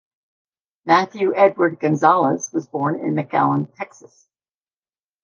Matthew Edward Gonzalez was born in McAllen, Texas.